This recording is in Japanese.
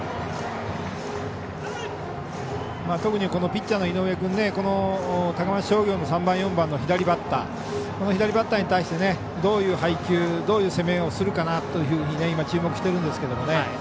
特にピッチャーの井上君高松商業の３番、４番の左バッターに対してどういう配球どういう攻めをするかなと注目してるんですけどね。